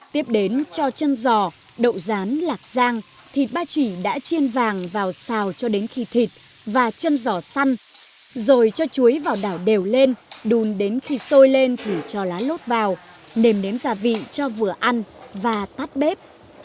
tiếp đến cho chân giò đậu rán lạc giang thịt ba chỉ đã chiên vàng vào xào cho đến khi thịt và chân giò săn rồi cho chuối vào đảo đều lên đun đến khi xôi lên thì cho lá lốt vào nềm nếm gia vị cho vừa ăn và tát bếp